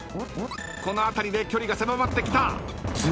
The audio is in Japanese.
［このあたりで距離が狭まってきた］